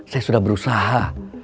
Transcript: saya sudah berusaha